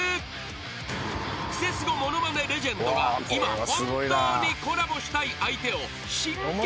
［クセスゴものまねレジェンドが今本当にコラボしたい相手を真剣に探します］